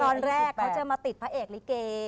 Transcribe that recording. ตอนแรกเขาจะมาติดพระเอกลิเก